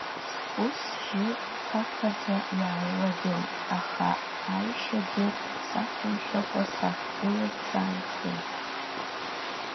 Схәы-сжьы қақаӡа иааилагылт, аха аҩшьагьы сақәымшәакәа, сахьгылаз саанхеит.